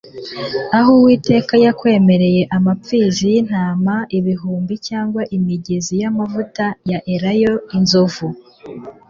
Aho Uwiteka yakwemera amapfizi y'intama ibihumbi cyangwa imigezi y'amavuta ya Elayo inzovu ?